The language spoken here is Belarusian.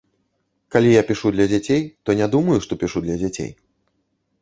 Калі я пішу для дзяцей, то не думаю, што пішу для дзяцей.